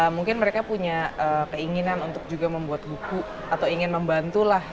mungkin mereka punya keinginan untuk juga membuat buku atau ingin membantu lah